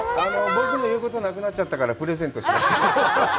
僕の言うことなくなっちゃったから、プレゼントしましょう。